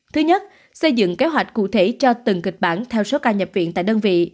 thứ nhất xây dựng kế hoạch cụ thể cho từng kịch bản theo số ca nhập viện tại đơn vị